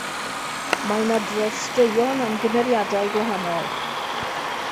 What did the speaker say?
Mae'n adrodd straeon am gymeriadau gwahanol.